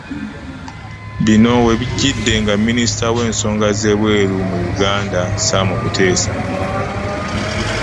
Bino we bijjidde nga Minisita w'ensonga ez'ebweru mu Uganda, Sam Kuteesa.